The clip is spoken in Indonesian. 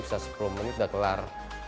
bisa sepuluh menit udah kelar